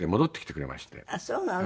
ああそうなの？